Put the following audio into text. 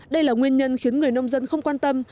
đây là nguyên nhân khiến người nông dân không quan tâm